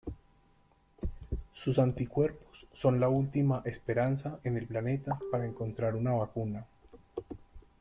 Sus anticuerpos son la última esperanza en el planeta para encontrar una vacuna.